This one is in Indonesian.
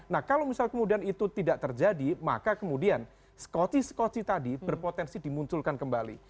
nah kalau misal kemudian itu tidak terjadi maka kemudian skoti skoti tadi berpotensi dimunculkan kembali